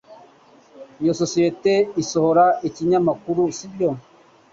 Iyo sosiyete isohora ikinyamakuru, sibyo?